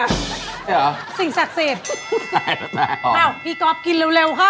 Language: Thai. เหรอสิ่งศักดิ์สิทธิ์อ้าวพี่ก๊อฟกินเร็วค่ะ